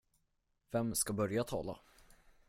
Vem ska börja tala?